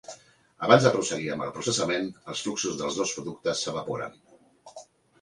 Abans de prosseguir amb el processament, els fluxos dels dos productes s'evaporen.